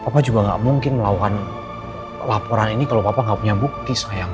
bapak juga gak mungkin melakukan laporan ini kalau papa nggak punya bukti sayang